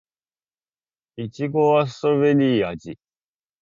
いちごはストベリー味